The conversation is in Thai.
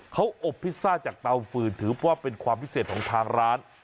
เขาอบพิซซ่าจากเตาฟืนถือว่าเป็นความพิเศษของทางร้าน